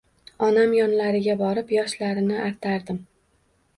Onam yonlariga borib yoshlarini artardim